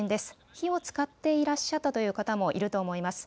火を使っていらっしゃったという方もいると思います。